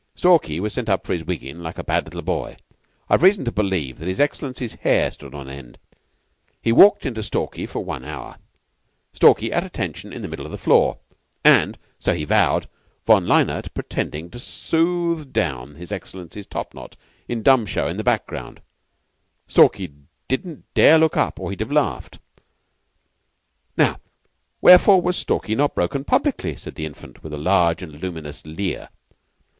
Stalky was sent up for his wiggin' like a bad little boy. I've reason to believe that His Excellency's hair stood on end. He walked into Stalky for one hour Stalky at attention in the middle of the floor, and (so he vowed) Von Lennaert pretending to soothe down His Excellency's topknot in dumb show in the background. Stalky didn't dare to look up, or he'd have laughed." "Now, wherefore was Stalky not broken publicly?" said the Infant, with a large and luminous leer.